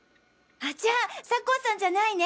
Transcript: じゃあ酒匂さんじゃないね！